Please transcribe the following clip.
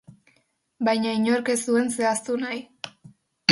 Baina inork ez zuen zehaztu nahi.